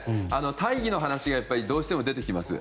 大義の話どうしても出てきます。